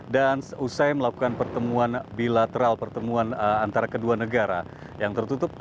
dan usai melakukan pertemuan bilateral pertemuan antara kedua negara yang tertutup